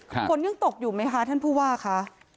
ฝนยังตกอยู่ไหมคะท่านผู้ว่าคะ